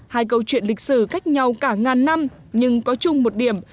hai câu chuyện lịch sử cách nhau cả ngàn năm nhưng có chung một điểm